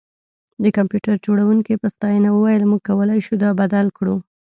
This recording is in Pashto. د کمپیوټر جوړونکي په ستاینه وویل موږ کولی شو دا بدل کړو